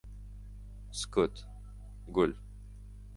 • Sukut — gul.